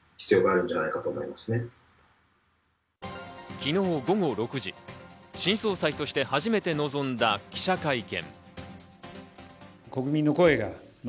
昨日午後６時、新総裁として初めて臨んだ記者会見。